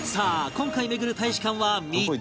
今回巡る大使館は３つ